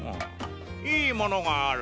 いいものがある。